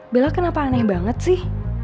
bella kenapa aneh banget sih